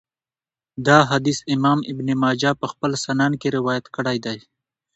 دا حديث امام ابن ماجه په خپل سنن کي روايت کړی دی .